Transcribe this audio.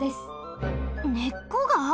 ねっこが？